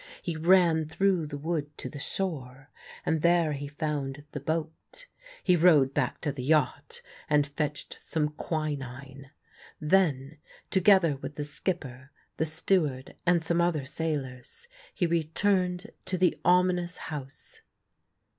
He ran through the wood to the shore, and there he found the boat. He rowed back to the yacht and fetched some quinine. Then, together with the skipper, the steward, and some other sailors, he returned to the ominous house.